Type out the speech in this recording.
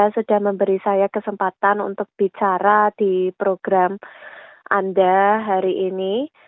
sudah memberi saya kesempatan untuk bicara di program anda hari ini